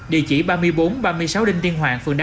địa chỉ ba nghìn bốn trăm ba mươi sáu đinh tiên hoàng phường ba